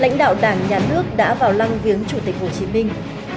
lãnh đạo đảng nhà nước đã vào lăng viếng chủ tịch hồ chí minh